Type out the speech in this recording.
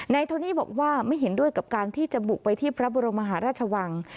โทนี่บอกว่าไม่เห็นด้วยกับการที่จะบุกไปที่พระบรมมหาราชวัง